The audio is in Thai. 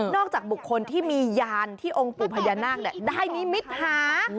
จากบุคคลที่มียานที่องค์ปู่พญานาคได้นิมิตหา